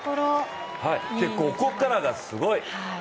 ここからがすごい。